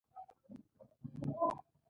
د پله اړخونه جګ و، له دې امله موټر یو ځل.